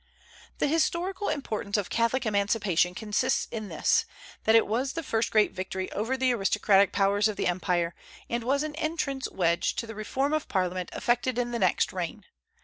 The historical importance of Catholic emancipation consists in this, that it was the first great victory over the aristocratic powers of the empire, and was an entrance wedge to the reform of Parliament effected in the next reign.